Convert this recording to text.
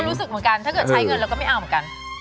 รู้สึกเหมือนกันถ้าเกิดใช้เงินเราก็ไม่เอาเหมือนกัน